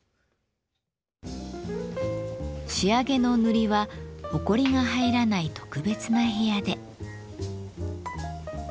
仕上げの塗りはほこりが入らない特別な部屋で。